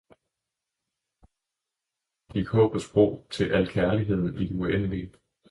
fra ordet tro gik håbets bro til alkærligheden i det uendelige.